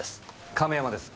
亀山です。